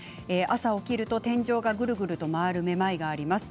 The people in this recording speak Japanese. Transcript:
朝起きると天井がグルグルと回るめまいがあります。